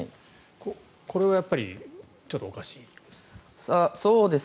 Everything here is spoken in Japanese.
これはやっぱりちょっとおかしい。